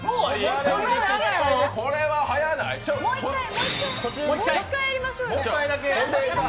もう１回やりましょうよ。